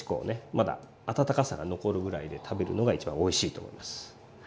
まだ温かさが残るぐらいで食べるのが一番おいしいと思います。